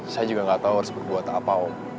saya juga gak tau harus berbuat apa om